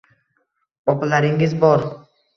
Opalaringiz bor